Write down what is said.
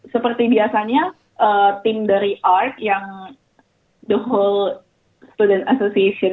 seperti biasanya tim dari ark yang the whole student association